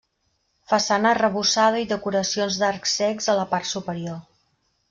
Façana arrebossada i decoracions d'arcs cecs a la part superior.